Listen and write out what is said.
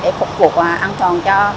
để phục vụ an toàn cho